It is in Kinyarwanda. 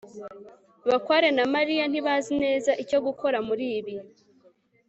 bakware na mariya ntibazi neza icyo gukora muri ibi